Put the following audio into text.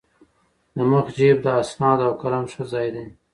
د مخ جېب د اسنادو او قلم ښه ځای دی.